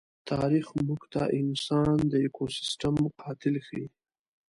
تاریخ موږ ته انسان د ایکوسېسټم قاتل ښيي.